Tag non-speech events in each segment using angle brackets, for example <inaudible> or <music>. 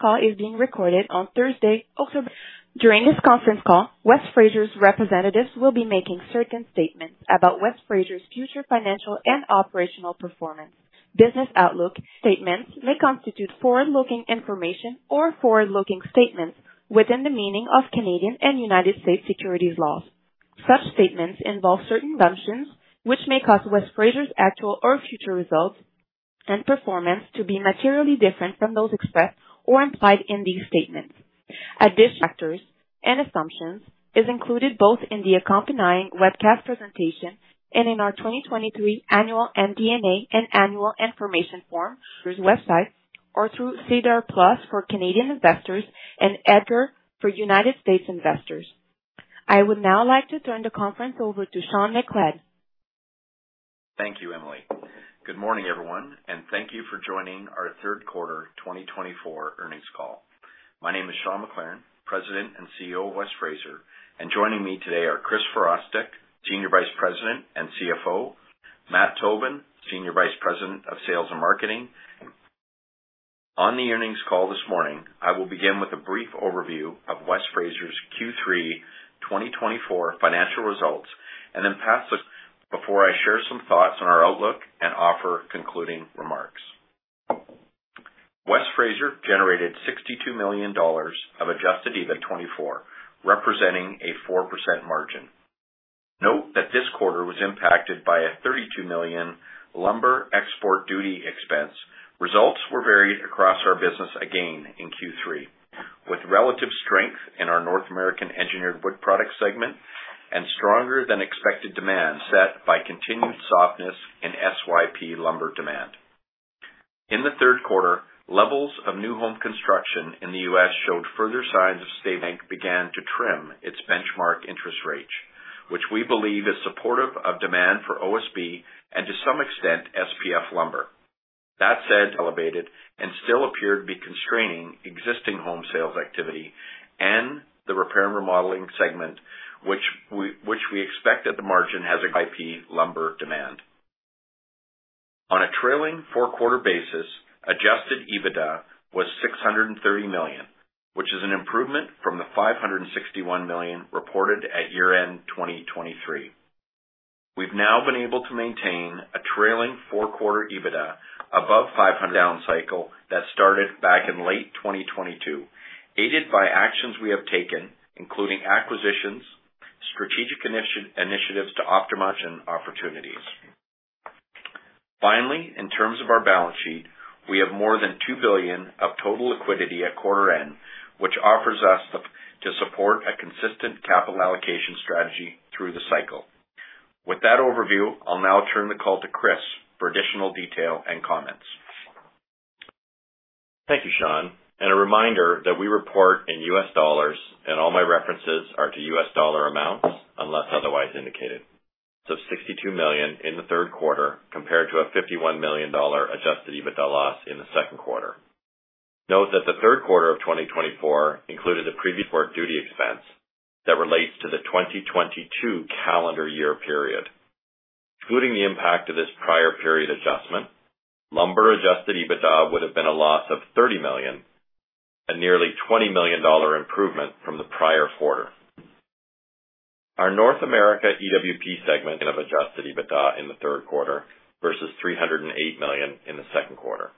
This call is being recorded on Thursday, October. During this conference call, West Fraser's representatives will be making certain statements about West Fraser's future financial and operational performance. Business outlook statements may constitute forward-looking information or forward-looking statements within the meaning of Canadian and United States securities laws. Such statements involve certain assumptions, which may cause West Fraser's actual or future results and performance to be materially different from those expressed or implied in these statements. Additional factors and assumptions is included both in the accompanying webcast presentation and in our 2023 annual MD&A and Annual Information Form, through website or through SEDAR+ for Canadian investors and EDGAR for United States investors. I would now like to turn the conference over to Sean McLaren. Thank you, Emily. Good morning, everyone, and thank you for joining our third quarter 2024 earnings call. My name is Sean McLaren, President and CEO of West Fraser, and joining me today are Chris Virostek, Senior Vice President and CFO, Matt Tobin, Senior Vice President of Sales and Marketing. On the earnings call this morning, I will begin with a brief overview of West Fraser's Q3 2024 financial results, and then pass it before I share some thoughts on our outlook and offer concluding remarks. West Fraser generated $62 million of Adjusted EBITDA, representing a 4% margin. Note that this quarter was impacted by a $32 million lumber export duty expense. Results were varied across our business again in Q3, with relative strength in our North American Engineered Wood Products segment and stronger than expected demand, set by continued softness in SYP lumber demand. In the third quarter, levels of new home construction in the U.S. showed further signs of stabilization. The Fed began to trim its benchmark interest rates, which we believe is supportive of demand for OSB and to some extent, SPF lumber. That said, elevated rates still appeared to be constraining existing home sales activity and the repair and remodeling segment, which we expect that the R&R has soft lumber demand. On a trailing four-quarter basis, adjusted EBITDA was $630 million, which is an improvement from the $561 million reported at year-end 2023. We've now been able to maintain a trailing four-quarter EBITDA above $500 million in this down cycle that started back in late 2022, aided by actions we have taken, including acquisitions, strategic initiatives to optimize opportunities. Finally, in terms of our balance sheet, we have more than $2 billion of total liquidity at quarter end, which offers us the ability to support a consistent capital allocation strategy through the cycle. With that overview, I'll now turn the call to Chris for additional detail and comments. Thank you, Sean, and a reminder that we report in US dollars and all my references are to US dollar amounts unless otherwise indicated. So $62 million in the third quarter, compared to a $51 million adjusted EBITDA loss in the second quarter. Note that the third quarter of 2024 included a prior period duty expense that relates to the 2022 calendar year period. Excluding the impact of this prior period adjustment, lumber adjusted EBITDA would have been a loss of $30 million, a nearly $20 million improvement from the prior quarter. Our North America EWP segment of adjusted EBITDA in the third quarter versus $308 million in the second quarter.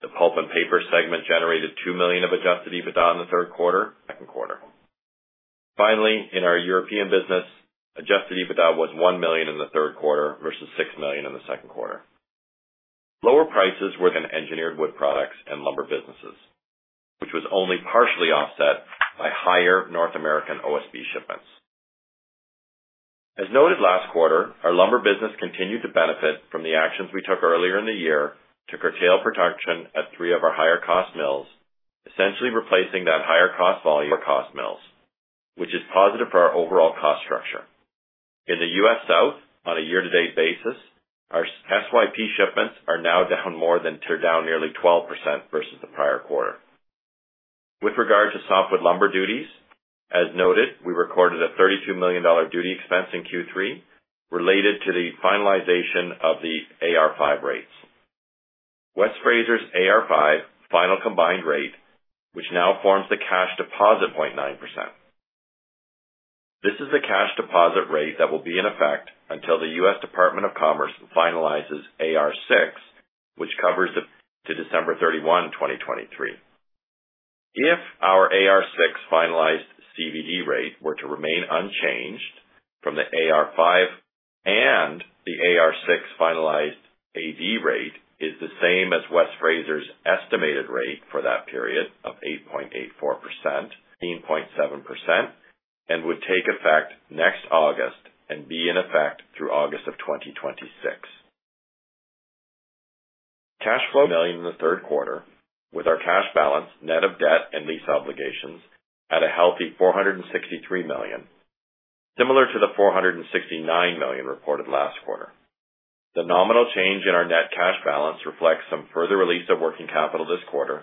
The Pulp and Paper segment generated $2 million of adjusted EBITDA in the third quarter, second quarter. Finally, in our European business, Adjusted EBITDA was $1 million in the third quarter versus $6 million in the second quarter. Lower prices in the engineered wood products and lumber businesses, which was only partially offset by higher North American OSB shipments. As noted last quarter, our lumber business continued to benefit from the actions we took earlier in the year to curtail production at three of our higher cost mills, essentially replacing that higher cost volume with lower cost mill volume, which is positive for our overall cost structure. In the U.S. South, on a year-to-date basis, our SYP shipments are now down more than 2%, down nearly 12% versus the prior year. With regard to softwood lumber duties, as noted, we recorded a $32 million duty expense in Q3 related to the finalization of the AR5 rates. West Fraser's AR5 final combined rate, which now forms the cash deposit 0.9%. This is the cash deposit rate that will be in effect until the US Department of Commerce finalizes AR6, which covers up to December 31, 2023. If our AR6 finalized CVD rate were to remain unchanged from the AR5 and the AR6 finalized AD rate is the same as West Fraser's estimated rate for that period of 8.84%, 13.7%, and would take effect next August and be in effect through August of 2026. Cash flow <audio distortion> million in the third quarter, with our cash balance net of debt and lease obligations at a healthy $463 million, similar to the $469 million reported last quarter. The nominal change in our net cash balance reflects some further release of working capital this quarter,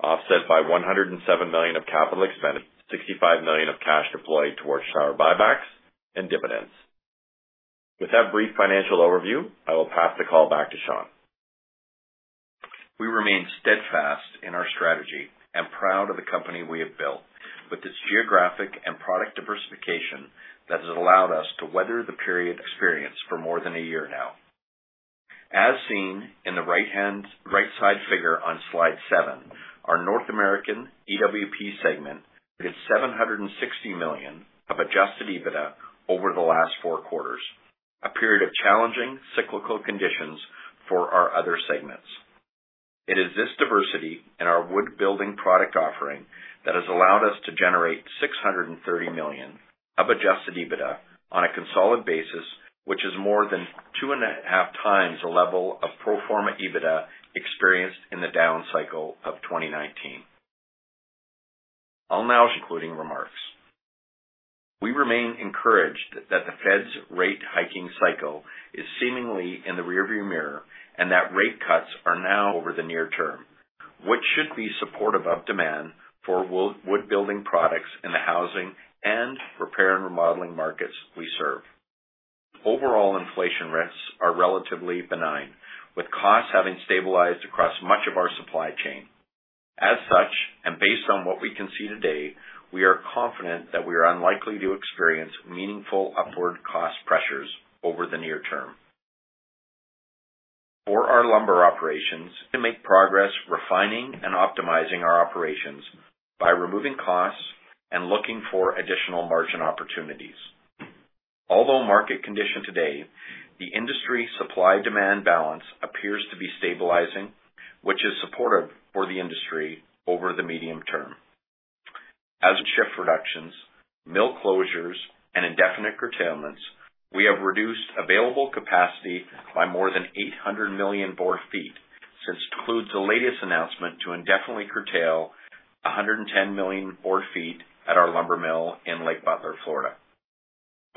offset by $107 million of capital expenditures, $65 million of cash deployed towards our buybacks and dividends. With that brief financial overview, I will pass the call back to Sean. We remain steadfast in our strategy and proud of the company we have built, with its geographic and product diversification that has allowed us to weather the period experience for more than a year now. As seen in the right side figure on slide seven, our North American EWP segment hit $760 million of adjusted EBITDA over the last four quarters, a period of challenging cyclical conditions for our other segments. It is this diversity in our wood building product offering that has allowed us to generate $630 million of adjusted EBITDA on a consolidated basis, which is more than two and a half times the level of pro forma EBITDA experienced in the down cycle of 2019. I'll now offer concluding remarks. We remain encouraged that the Fed's rate hiking cycle is seemingly in the rearview mirror, and that rate cuts are now over the near term, which should be supportive of demand for wood building products in the housing and repair and remodeling markets we serve. Overall, inflation risks are relatively benign, with costs having stabilized across much of our supply chain. As such, and based on what we can see today, we are confident that we are unlikely to experience meaningful upward cost pressures over the near term. For our lumber operations, to make progress refining and optimizing our operations by removing costs and looking for additional margin opportunities. Although market conditions today, the industry supply-demand balance appears to be stabilizing, which is supportive for the industry over the medium term. As shift reductions, mill closures, and indefinite curtailments, we have reduced available capacity by more than 800 million board feet since, including the latest announcement to indefinitely curtail 110 million board feet at our lumber mill in Lake Butler, Florida.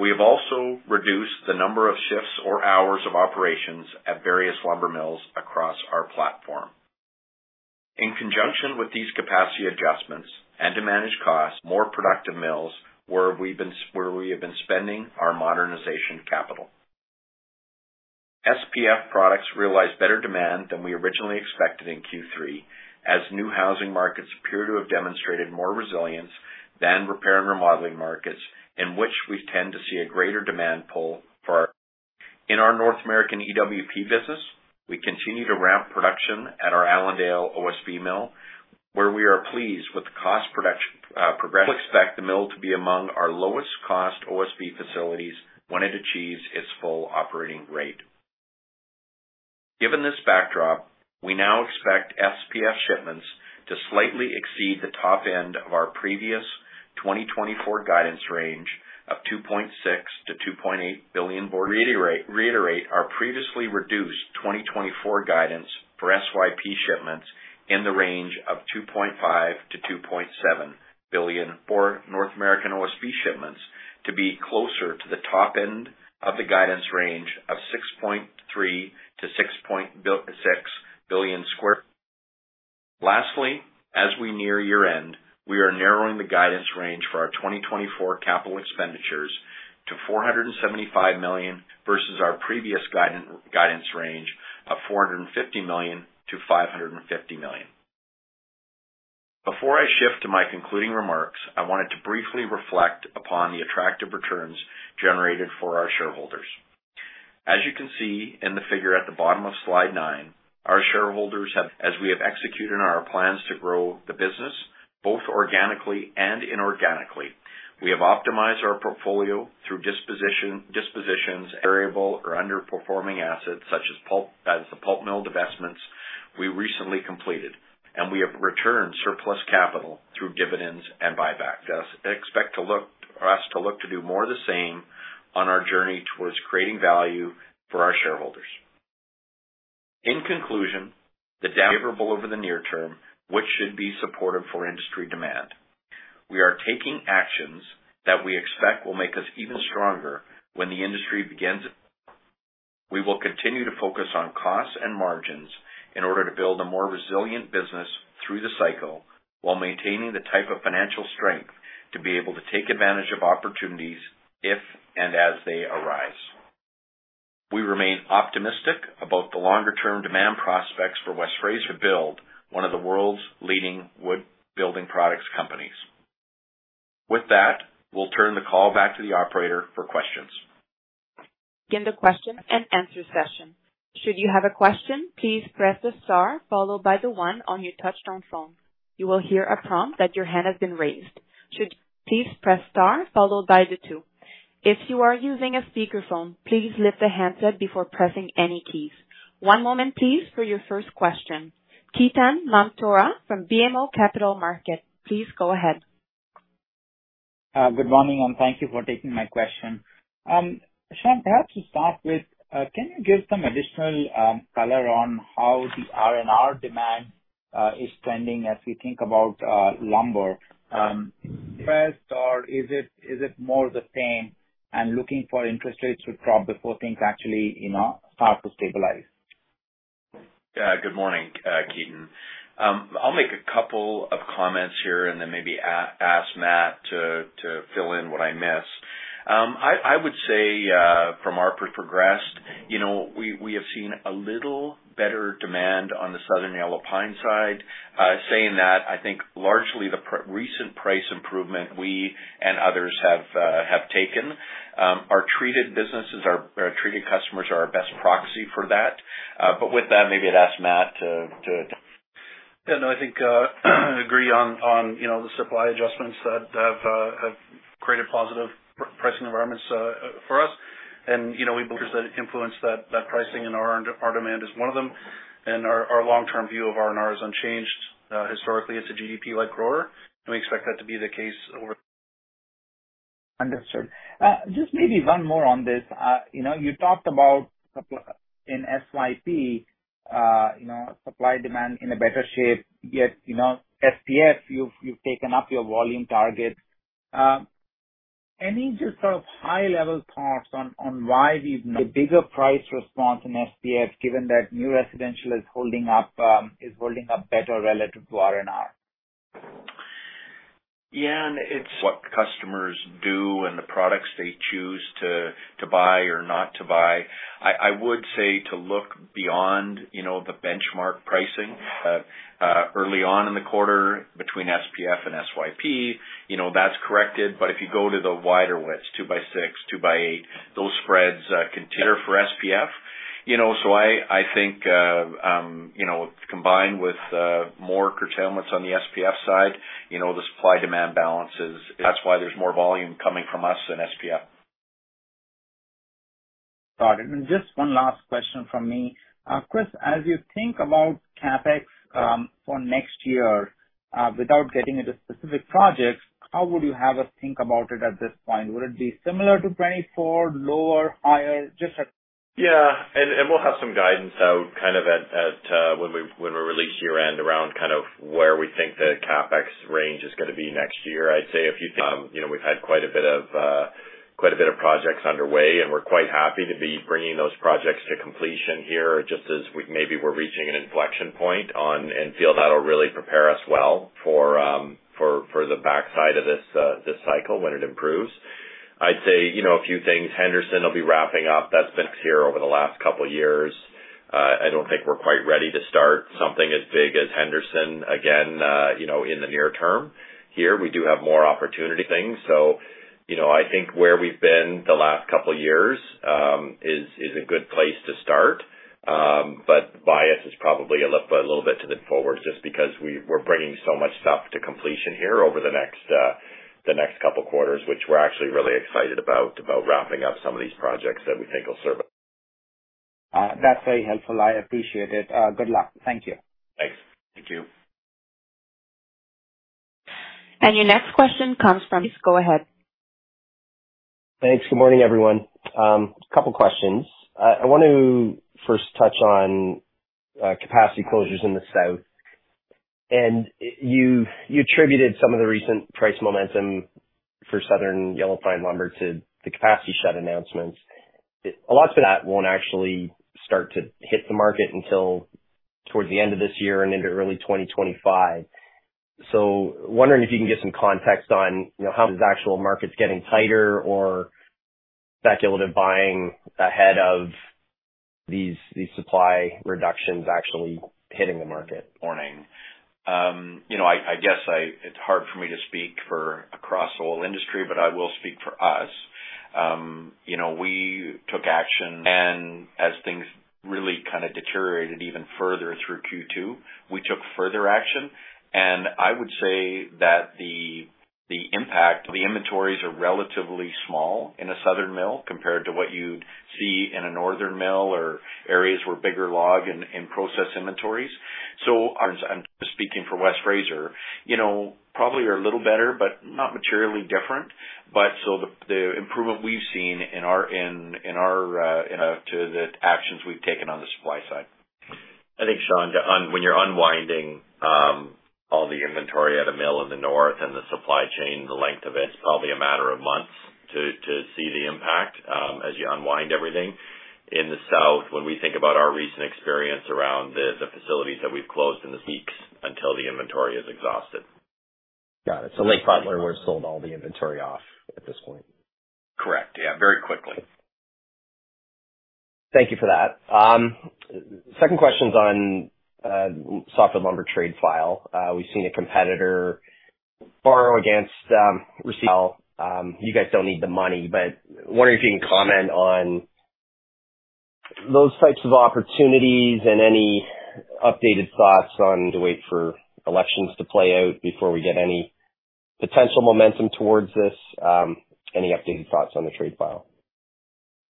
We have also reduced the number of shifts or hours of operations at various lumber mills across our platform. In conjunction with these capacity adjustments, and to manage costs, more productive mills, where we have been spending our modernization capital. SPF products realized better demand than we originally expected in Q3, as new housing markets appear to have demonstrated more resilience than repair and remodeling markets, in which we tend to see a greater demand pull for our products. In our North American EWP business, we continue to ramp production at our Allendale OSB mill, where we are pleased with the cost production progress. Expect the mill to be among our lowest cost OSB facilities when it achieves its full operating rate. Given this backdrop, we now expect SPF shipments to slightly exceed the top end of our previous 2024 guidance range of 2.6-2.8 billion board feet. Reiterate our previously reduced 2024 guidance for SYP shipments in the range of 2.5-2.7 billion board feet. For North American OSB shipments to be closer to the top end of the guidance range of 6.3-6.8 billion square feet. Lastly, as we near year-end, we are narrowing the guidance range for our 2024 capital expenditures to $475 million, versus our previous guidance range of $450-$550 million. Before I shift to my concluding remarks, I wanted to briefly reflect upon the attractive returns generated for our shareholders. As you can see in the figure at the bottom of slide nine, our shareholders have, as we have executed our plans to grow the business, both organically and inorganically. We have optimized our portfolio through dispositions of variable or underperforming assets such as pulp, as the pulp mill divestments we recently completed, and we have returned surplus capital through dividends and buybacks. Expect for us to look to do more of the same on our journey towards creating value for our shareholders. In conclusion, The favorable outlook over the near term, which should be supportive for industry demand. We are taking actions that we expect will make us even stronger when the industry begins. We will continue to focus on costs and margins in order to build a more resilient business through the cycle, while maintaining the type of financial strength to be able to take advantage of opportunities if and as they arise. We remain optimistic about the longer-term demand prospects for West Fraser, one of the world's leading wood building products companies. With that, we'll turn the call back to the operator for questions. In the question and answer session. Should you have a question, please press the star followed by the one on your touchtone phone. You will hear a prompt that your hand has been raised. Please press star followed by the two. If you are using a speakerphone, please lift the handset before pressing any keys. One moment, please, for your first question. Ketan Mamtora from BMO Capital Markets, please go ahead. Good morning, and thank you for taking my question. Sean, perhaps to start with, can you give some additional color on how the R&R demand is trending as we think about lumber? First, or is it more the same and looking for interest rates to drop before things actually, you know, start to stabilize? Yeah, good morning, Ketan. I'll make a couple of comments here and then maybe ask Matt to fill in what I miss. I would say, from our perspective, you know, we have seen a little better demand on the southern yellow pine side. Saying that, I think largely the recent price improvement we and others have taken, our treated businesses, our treated customers are our best proxy for that. But with that, maybe I'd ask Matt to, Yeah, no, I think agree on, on, you know, the supply adjustments that have created positive pricing environments for us. And, you know, we believe that influence that pricing in our demand is one of them, and our long-term view of R&R is unchanged. Historically, it's a GDP-like grower, and we expect that to be the case over. Understood. Just maybe one more on this. You know, you talked about supply in SYP, you know, supply-demand in a better shape, yet, you know, SPF, you've taken up your volume target. Any just sort of high-level thoughts on why these, the bigger price response in SPF, given that new residential is holding up, is holding up better relative to R&R? Yeah, and it's what customers do and the products they choose to buy or not to buy. I would say to look beyond, you know, the benchmark pricing early on in the quarter between SPF and SYP. You know, that's corrected, but if you go to the wider widths, two by six, two by eight, those spreads continue for SPF. You know, so I think, you know, combined with more curtailments on the SPF side, you know, the supply-demand balance is. That's why there's more volume coming from us than SPF. Got it. And just one last question from me. Chris, as you think about CapEx, for next year, without getting into specific projects, how would you have us think about it at this point? Would it be similar to 2024, lower, higher? Just a. Yeah, and we'll have some guidance out kind of at when we release year end around kind of where we think the CapEx range is going to be next year. I'd say a few things. You know, we've had quite a bit of projects underway, and we're quite happy to be bringing those projects to completion here, just as we're maybe reaching an inflection point, and feel that'll really prepare us well for the backside of this cycle when it improves. I'd say, you know, a few things. Henderson will be wrapping up. That's been here over the last couple years. I don't think we're quite ready to start something as big as Henderson again, you know, in the near term. Here, we do have more opportunity things. You know, I think where we've been the last couple years is a good place to start. But bias is probably a little bit to the forward, just because we're bringing so much stuff to completion here over the next couple quarters, which we're actually really excited about wrapping up some of these projects that we think will serve us. That's very helpful. I appreciate it. Good luck. Thank you. Thanks. Thank you. And your next question comes from. <audio distortion> Go ahead. Thanks. Good morning, everyone. A couple questions. I want to first touch on capacity closures in the South, and you attributed some of the recent price momentum for Southern Yellow Pine lumber to the capacity shut announcements. A lot of that won't actually start to hit the market until towards the end of this year and into early 2025. So wondering if you can give some context on, you know, how this actual market's getting tighter or speculative buying ahead of these supply reductions actually hitting the market? Morning. You know, I guess it's hard for me to speak for across the whole industry, but I will speak for us. You know, we took action, and as things really kind of deteriorated even further through Q2, we took further action. And I would say that the impact, the inventories are relatively small in a southern mill compared to what you'd see in a northern mill or areas where bigger log and process inventories. So I'm speaking for West Fraser, you know, probably are a little better, but not materially different. But so the improvement we've seen in our, in our, you know, to the actions we've taken on the supply side. I think, Sean, when you're unwinding all the inventory at a mill in the north and the supply chain, the length of it, it's probably a matter of months to see the impact as you unwind everything. In the south, when we think about our recent experience around the facilities that we've closed, in the weeks until the inventory is exhausted. Got it. So basically, we've sold all the inventory off at this point? Correct. Yeah, very quickly. Thank you for that. Second question's on softwood lumber trade file. We've seen a competitor borrow against receivables. You guys don't need the money, but wondering if you can comment on those types of opportunities and any updated thoughts on whether to wait for elections to play out before we get any potential momentum towards this. Any updated thoughts on the trade file?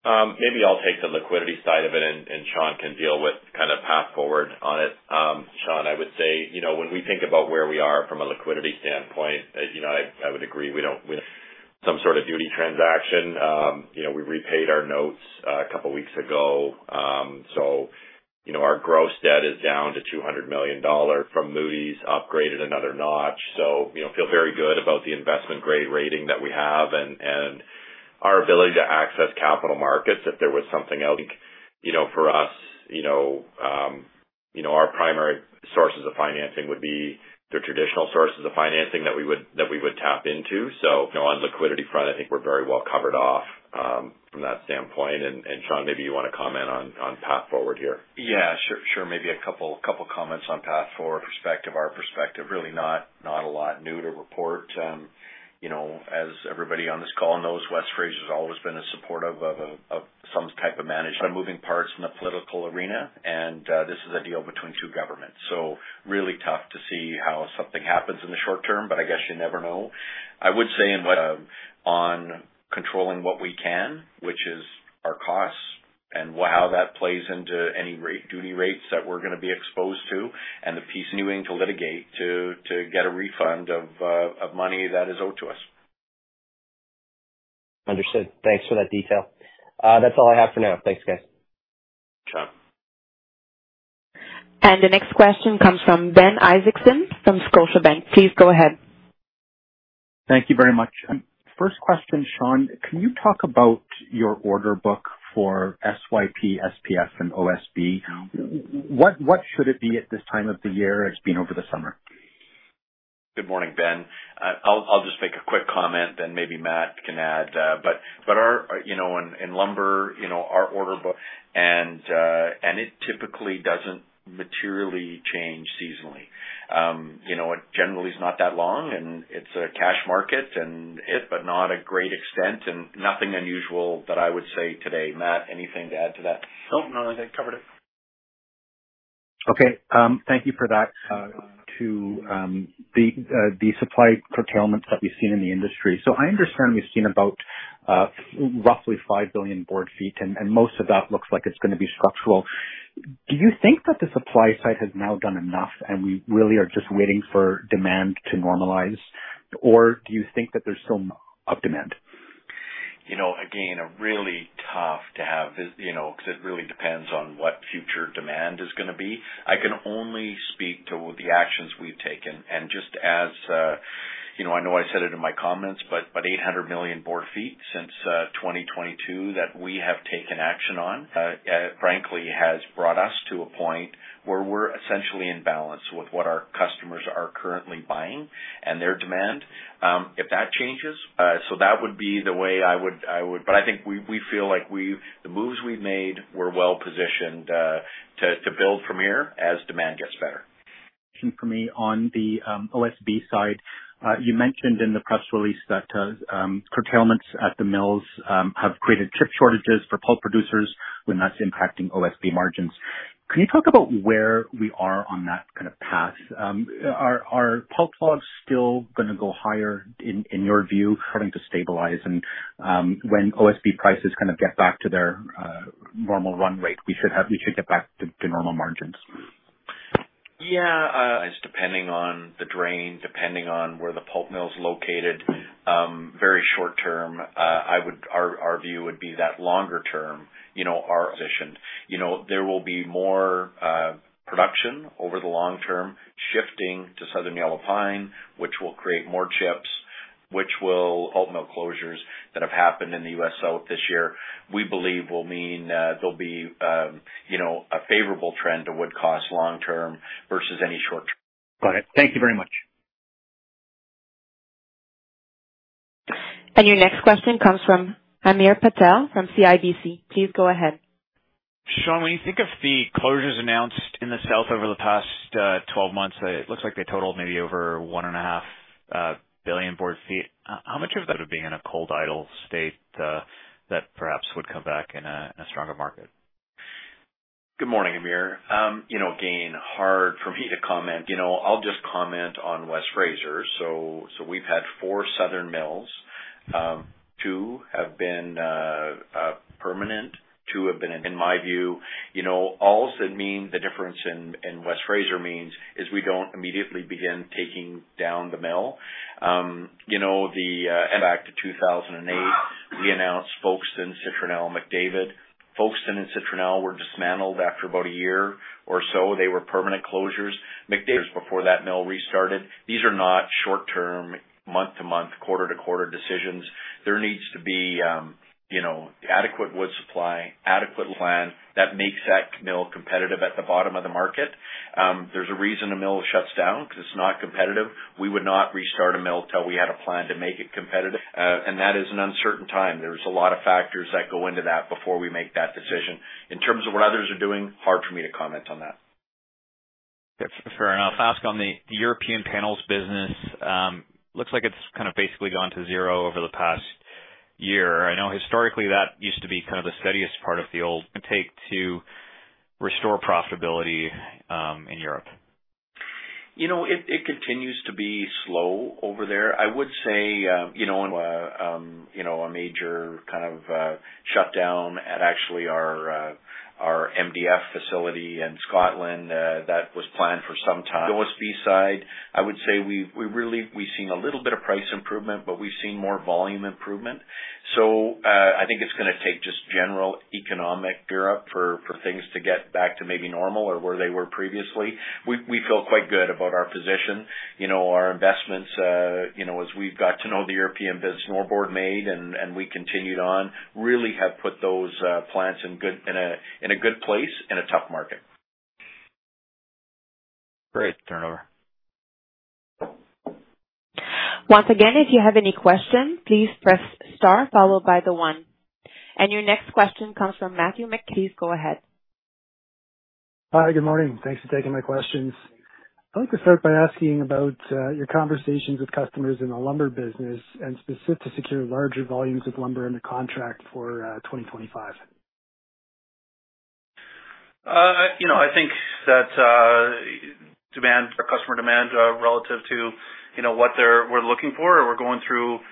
Maybe I'll take the liquidity side of it, and Sean can deal with kind of path forward on it. Sean, I would say, you know, when we think about where we are from a liquidity standpoint, you know, I would agree, we don't with some sort of duty transaction, you know, we repaid our notes a couple weeks ago. So, you know, our gross debt is down to $200 million from Moody's, upgraded another notch. So, you know, feel very good about the investment grade rating that we have and our ability to access capital markets, if there was something else, you know, for us, you know, our primary sources of financing would be the traditional sources of financing that we would tap into. So, you know, on liquidity front, I think we're very well covered off, from that standpoint. And Sean, maybe you want to comment on path forward here. Yeah, sure, sure. Maybe a couple comments on path forward perspective. Our perspective, really not a lot new to report. You know, as everybody on this call knows, West Fraser has always been a supportive of a, of some type of management, of moving parts in the political arena, and this is a deal between two governments. So really tough to see how something happens in the short term, but I guess you never know. I would say in what, on controlling what we can, which is our costs and how that plays into any rate, duty rates that we're gonna be exposed to, and continuing to litigate to get a refund of money that is owed to us. Understood. Thanks for that detail. That's all I have for now. Thanks, guys. Sure. And the next question comes from Ben Isaacson from Scotiabank. Please go ahead. Thank you very much. First question, Sean, can you talk about your order book for SYP, SPF, and OSB? What, what should it be at this time of the year? It's been over the summer. Good morning, Ben. I'll just make a quick comment, then maybe Matt can add, but our, you know, in lumber, you know, our order book and it typically doesn't materially change seasonally. You know, it generally is not that long, and it's a cash market and it, but not a great extent and nothing unusual that I would say today. Matt, anything to add to that? Nope, no, I think covered it. Okay, thank you for that, to the supply curtailments that we've seen in the industry. So I understand we've seen about roughly 5 billion board feet, and most of that looks like it's gonna be structural. Do you think that the supply side has now done enough, and we really are just waiting for demand to normalize? Or do you think that there's still of demand? You know, again, a really tough to have, you know, because it really depends on what future demand is gonna be. I can only speak to the actions we've taken. And just as, you know, I know I said it in my comments, but eight hundred million board feet since 2022 that we have taken action on, frankly, has brought us to a point where we're essentially in balance with what our customers are currently buying and their demand. If that changes, so that would be the way I would, I would. But I think we feel like the moves we've made were well positioned to build from here as demand gets better. For me, on the OSB side, you mentioned in the press release that curtailments at the mills have created chip shortages for pulp producers, and that's impacting OSB margins. Can you talk about where we are on that kind of path? Are pulp logs still gonna go higher in your view, starting to stabilize? And when OSB prices kind of get back to their normal run rate, we should get back to normal margins. Yeah, it's depending on the drain, depending on where the pulp mill is located. Very short term, our view would be that longer term, you know, our position, you know, there will be more production over the long term, shifting to Southern Yellow Pine, which will create more chips, which will ultimately offset closures that have happened in the U.S. South this year. We believe will mean there'll be, you know, a favorable trend to wood cost long term versus any short term. Got it. Thank you very much. And your next question comes from Hamir Patel from CIBC. Please go ahead. Sean, when you think of the closures announced in the South over the past twelve months, it looks like they totaled maybe over one and a half billion board feet. How much of that being in a cold idle state that perhaps would come back in a stronger market? Good morning, Hamir. You know, again, hard for me to comment. You know, I'll just comment on West Fraser. So we've had four southern mills. Two have been permanent. Two have been, in my view, you know, I mean the difference in West Fraser is we don't immediately begin taking down the mill. You know, back to 2008, we announced Folkston, Citronelle, McDavid. Folkston and Citronelle were dismantled after about a year or so. They were permanent closures. McDavid, but that mill restarted. These are not short-term, month-to-month, quarter-to-quarter decisions. There needs to be, you know, adequate wood supply, adequate plan that makes that mill competitive at the bottom of the market. There's a reason the mill shuts down, because it's not competitive. We would not restart a mill till we had a plan to make it competitive, and that is an uncertain time. There's a lot of factors that go into that before we make that decision. In terms of what others are doing, hard for me to comment on that. Yeah, fair enough. I'll ask on the European panels business. Looks like it's kind of basically gone to zero over the past year. I know historically, that used to be kind of the steadiest part of the old take to restore profitability in Europe. You know, it continues to be slow over there. I would say, you know, a major kind of shutdown at actually our MDF facility in Scotland that was planned for some time. OSB side, I would say we really, we've seen a little bit of price improvement, but we've seen more volume improvement. So, I think it's gonna take just general economic Europe for things to get back to maybe normal or where they were previously. We feel quite good about our position. You know, our investments, you know, as we've got to know the European business more board made, and we continued on, really have put those plants in a good place, in a tough market. Great. Turnover. Once again, if you have any questions, please press star followed by the one, and your next question comes from Matthew McKellar. Go ahead. Hi, good morning. Thanks for taking my questions. I'd like to start by asking about your conversations with customers in the lumber business and specific to secure larger volumes of lumber in the contract for 2025. You know, I think that demand or customer demand relative to, you know, what we're looking for, or we're going through,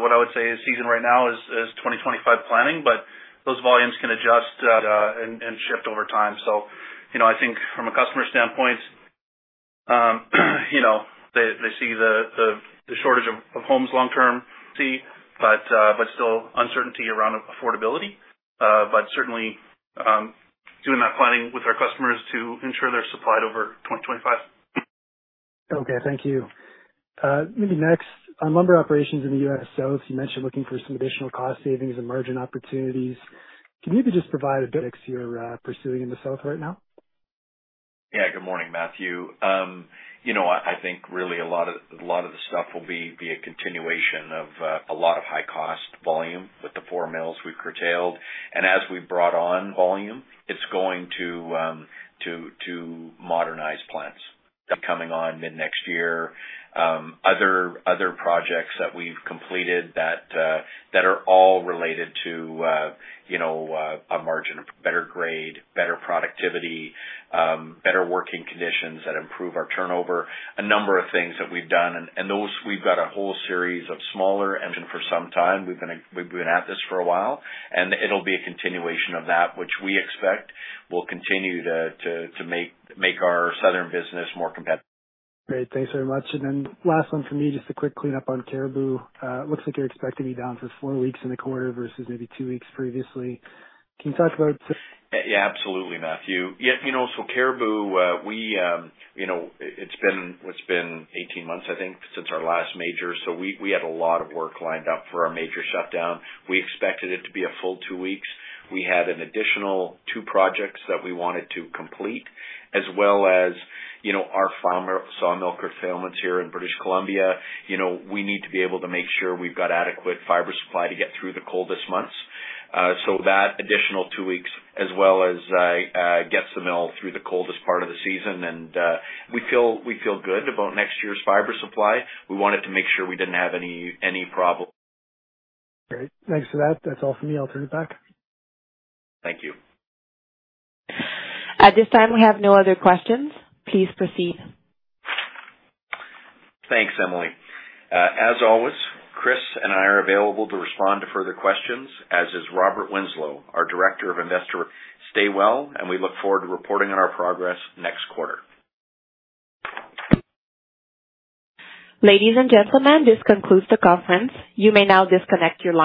what I would say is season right now is 2025 planning, but those volumes can adjust and shift over time, so you know, I think from a customer standpoint, you know, they see the shortage of homes long term, but still uncertainty around affordability, but certainly doing that planning with our customers to ensure they're supplied over 2025. Okay, thank you. Maybe next, on lumber operations in the US South, you mentioned looking for some additional cost savings and margin opportunities. Can you maybe just provide a bit you're pursuing in the South right now? Yeah. Good morning, Matthew. You know, I think really a lot of the stuff will be a continuation of a lot of high cost volume with the four mills we've curtailed. As we brought on volume, it's going to modernize plants. That coming on mid-next year. Other projects that we've completed that are all related to, you know, a margin of better grade, better productivity, better working conditions that improve our turnover, a number of things that we've done, and those, we've got a whole series of smaller, and for some time, we've been at this for a while, and it'll be a continuation of that, which we expect will continue to make our southern business more competitive. Great. Thanks very much. And then last one for me, just a quick cleanup on Cariboo. It looks like you're expected to be down for four weeks in the quarter versus maybe two weeks previously. Can you talk about? Yeah, absolutely, Matthew. Yeah, you know, so Cariboo, we, you know, it's been eighteen months, I think, since our last major. So we had a lot of work lined up for our major shutdown. We expected it to be a full two weeks. We had an additional two projects that we wanted to complete, as well as, you know, for our sawmill fiber allotments here in British Columbia. You know, we need to be able to make sure we've got adequate fiber supply to get through the coldest months. So that additional two weeks, as well as it gets the mill through the coldest part of the season, and we feel good about next year's fiber supply. We wanted to make sure we didn't have any problem. Great. Thanks for that. That's all for me. I'll turn it back. Thank you. At this time, we have no other questions. Please proceed. Thanks, Emily. As always, Chris and I are available to respond to further questions, as is Robert Winslow, our Director of Investor Relations. Stay well, and we look forward to reporting on our progress next quarter. Ladies and gentlemen, this concludes the conference. You may now disconnect your lines.